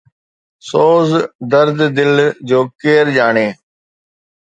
سوز درد دل جو ڪير ڄاڻي